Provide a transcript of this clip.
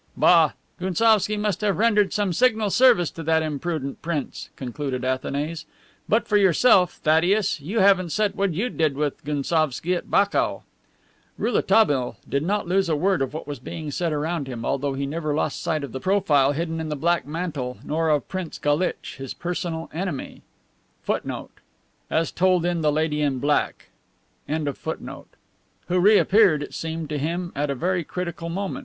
"Bah! Gounsovski must have rendered some signal service to that imprudent prince," concluded Athanase. "But for yourself, Thaddeus, you haven't said what you did with Gounsovski at Bakou." (Rouletabille did not lose a word of what was being said around him, although he never lost sight of the profile hidden in the black mantle nor of Prince Galitch, his personal enemy,* who reappeared, it seemed to him, at a very critical moment.) * as told in "The Lady In Black."